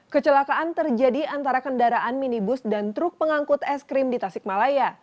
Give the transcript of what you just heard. kecelakaan terjadi antara kendaraan minibus dan truk pengangkut es krim di tasikmalaya